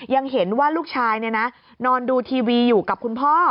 ไม่เห็นว่าลูกชายเนี่ยนะนอนดูทีวีอยู่กับคุณพ่อ